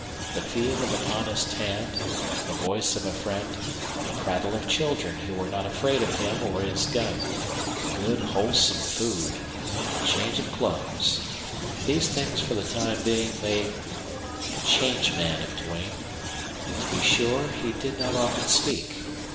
The feel of an honest hand, the voice of a friend, the prattle of children who were not afraid of him or his gun, good wholesome food, and change of clothes these things for the time being made a changed man of Duane. To be sure, he did not often speak.